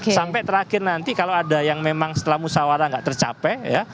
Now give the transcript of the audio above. sampai terakhir nanti kalau ada yang memang setelah musawarah nggak tercapai ya